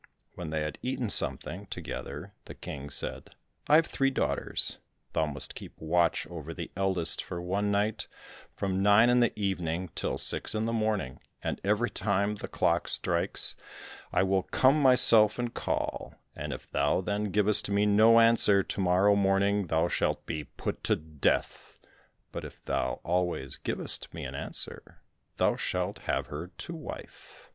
When they had eaten something together the King said, "I have three daughters, thou must keep watch over the eldest for one night, from nine in the evening till six in the morning, and every time the clock strikes, I will come myself and call, and if thou then givest me no answer, to morrow morning thou shall be put to death, but if thou always givest me an answer, thou shalt have her to wife."